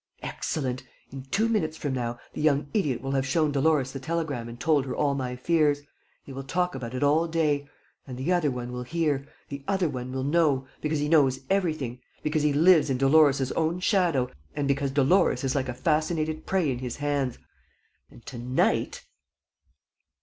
"Excellent! In two minutes from now, the young idiot will have shown Dolores the telegram and told her all my fears. They will talk about it all day. And 'the other one' will hear, 'the other one' will know, because he knows everything, because he lives in Dolores' own shadow and because Dolores is like a fascinated prey in his hands. ... And, to night.